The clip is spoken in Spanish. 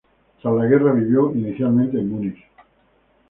Tras la Guerra vivió inicialmente en Múnich.